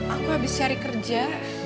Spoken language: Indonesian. aku habis cari kerja